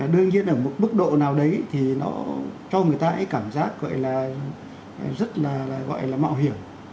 đương nhiên ở một mức độ nào đấy thì nó cho người ta cái cảm giác gọi là rất là gọi là mạo hiểm